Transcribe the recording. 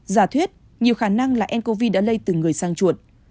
giả thuyết nhiều khả năng là ncov đã lây từ người sang chuột